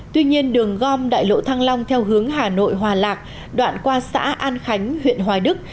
tuy nhiên đường gom đại lộ thăng long theo hướng hà nội hòa lạc đoạn qua xã an khánh huyện hoài đức